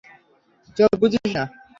চোখ বুজিস না।